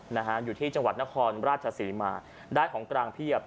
นะฮะอยู่ที่จังหวัดนครราชศรีมาได้ของกลางเพียบ